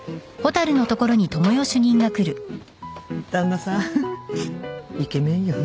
旦那さんイケメンよね。